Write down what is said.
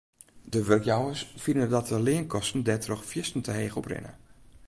De wurkjouwers fine dat de leankosten dêrtroch fierstente heech oprinne.